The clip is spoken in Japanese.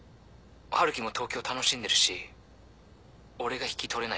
春樹も東京楽しんでるし俺が引き取れないかな？